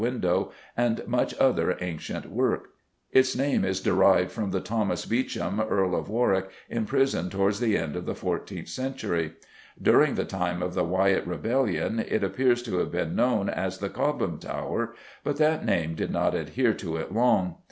window and much other ancient work; its name is derived from the Thomas Beauchamp, Earl of Warwick, imprisoned towards the end of the fourteenth century. During the time of the Wyatt rebellion it appears to have been known as the Cobham Tower, but that name did not adhere to it long.